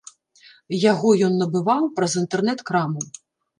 Яго ён набываў праз інтэрнэт-краму.